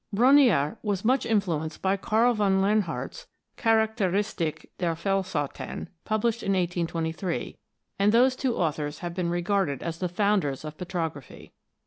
Brongniart was much influenced by Karl von Leonhard's " Charakteristik der Felsarten," published in 1823, and these two authors have been regarded as the founders of petrography.